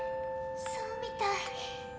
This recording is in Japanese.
そうみたい。